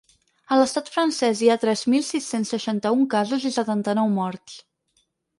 A l’estat francès hi ha tres mil sis-cents seixanta-un casos i setanta-nou morts.